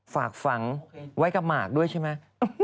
ฝากฝังไว้กับหมากด้วยใช่ไหม